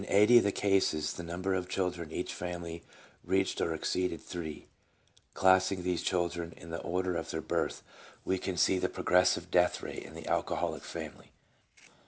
9 per cent.) died under two years. In 80 of the cases, the number of children in each family reached or ex ceeded three. Classing these children in the order of their birth, we can see the progressive death rate in the alcoholic family.